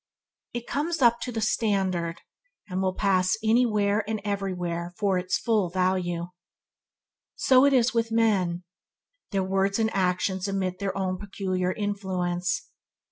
It comes up to the standard, and will pass anywhere and everywhere for its full value. So with men. Their words and actions emit their own peculiar influence.